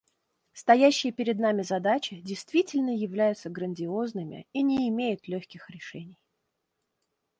Стоящие перед нами задачи действительно являются грандиозными и не имеют легких решений.